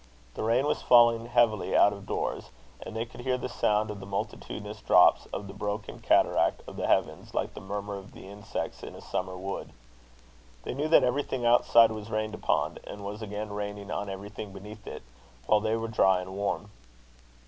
The rain was falling heavily out of doors; and they could hear the sound of the multitudinous drops of the broken cataract of the heavens like the murmur of the insects in a summer wood. They knew that everything outside was rained upon, and was again raining on everything beneath it, while they were dry and warm.